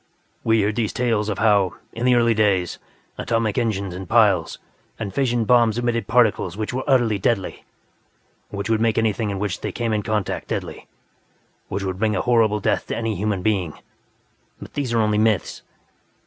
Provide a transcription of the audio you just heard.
We hear these tales of how, in the early days, atomic engines and piles and fission bombs emitted particles which were utterly deadly, which would make anything with which they came in contact deadly, which would bring a horrible death to any human being. But these are only myths.